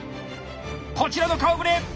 こちらの顔ぶれ！